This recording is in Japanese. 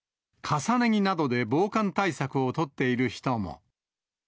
重ね着などで防寒対策を取っている人も。